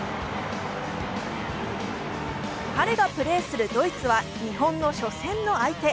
彼がプレーするドイツは日本の初戦の相手。